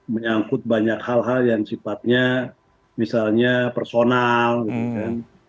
menyangkut banyak hal hal yang sifatnya misalnya personal gitu kan